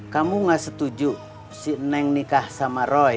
kamu gak setuju si neng nikah sama roy